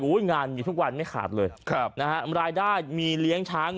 งานมีทุกวันไม่ขาดเลยครับนะฮะรายได้มีเลี้ยงช้าง